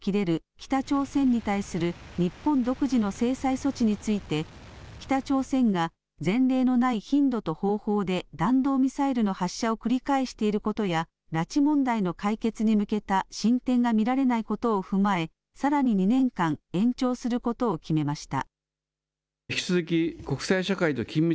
北朝鮮に対する日本独自の制裁措置について北朝鮮が前例のない頻度と方法で弾道ミサイルの発射を繰り返していることや拉致問題の解決に向けた進展が見られないことを踏まえ、さらに２年間延長することを決めました。